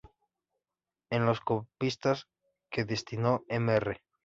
En los copistas que destinó Mr.